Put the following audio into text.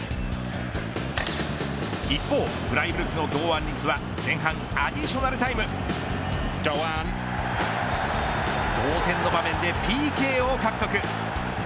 一方、フライブルクの堂安律は前半アディショナルタイム同点の場面でＰＫを獲得。